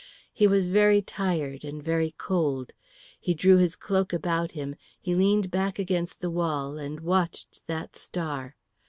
He was very tired and very cold; he drew his cloak about him; he leaned back against the wall and watched that star.